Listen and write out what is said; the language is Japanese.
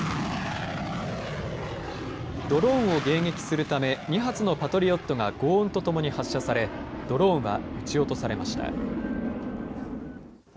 ドローンを迎撃するため２発のパトリオットがごう音とともに発射されドローンは撃ち落とされました。